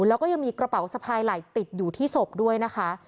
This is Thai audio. แล้วก็ยังมีกระเป๋าสะพายไหล่ติดอยู่ที่ศพด้วยนะคะ